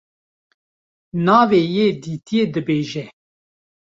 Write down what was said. navê yê dîtiyî dibêje.